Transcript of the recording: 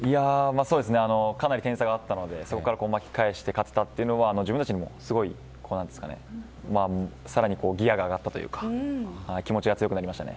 かなり点差があったのでそこから巻き返して勝てたのはさらにギアが上がったというか気持ちが強くなりました。